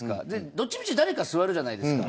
どっちみち誰か座るじゃないですか。